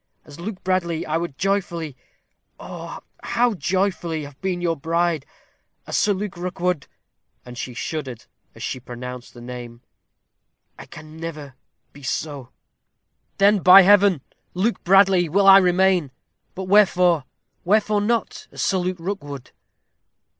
As Luke Bradley, I would joyfully oh, how joyfully! have been your bride. As Sir Luke Rookwood" and she shuddered as she pronounced the name "I never can be so." "Then, by Heaven! Luke Bradley will I remain. But wherefore wherefore not as Sir Luke Rookwood?"